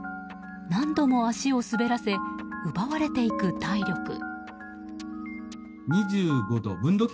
何度も足を滑らせ奪われていく体力。